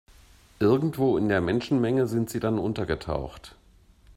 Irgendwo in der Menschenmenge sind sie dann untergetaucht.